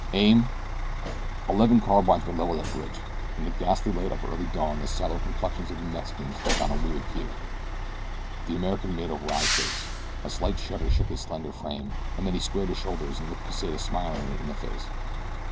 Aim!" Eleven carbines were leveled at Bridge. In the ghastly light of early dawn the sallow complexions of the Mexicans took on a weird hue. The American made a wry face, a slight shudder shook his slender frame, and then he squared his shoulders and looked Pesita smilingly in the face.